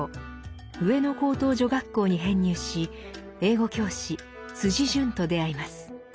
上野高等女学校に編入し英語教師潤と出会います。